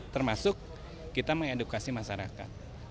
termasuk kita mengedukasi masyarakat